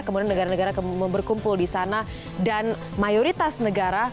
kemudian negara negara berkumpul di sana dan mayoritas negara